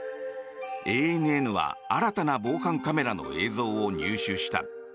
ＡＮＮは新たな防犯カメラの映像を入手した。